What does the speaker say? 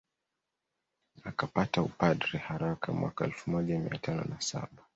Akapata upadre haraka mwaka wa elfu moja mia tano na saba